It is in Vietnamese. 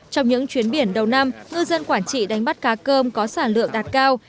trong những chuyến biển đầu năm ngư dân quảng trị đánh bắt cá cơm có sản lượng đạt cao